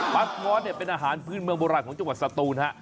วัดมอสเนี่ยเป็นอาหารพื้นเมืองโบราณของจังหวัดสตูนฮะ